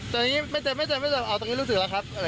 ตอนนี้ไม่เจอไม่เจอเอาตรงนี้รู้สึกแล้วครับ